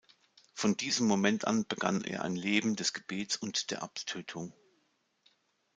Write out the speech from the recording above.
Von diesem Moment an begann er ein Leben des Gebets und der Abtötung.